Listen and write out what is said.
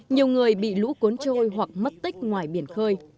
nhiều người bị lũ cuốn trôi hoặc mất tích ngoài biển khơi